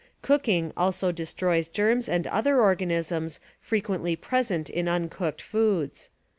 Cooking also de stroys germs and other organisms frequently present in uncooked foods.